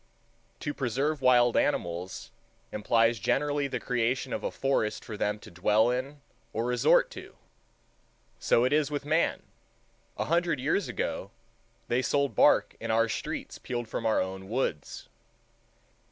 To preserve wild animals implies generally the creation of a forest for them to dwell in or resort to. So it is with man. A hundred years ago they sold bark in our streets peeled from our own woods.